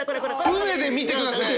船で見てください。